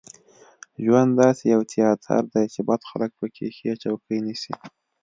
ژوند داسې یو تیاتر دی چې بد خلک په کې ښې چوکۍ نیسي.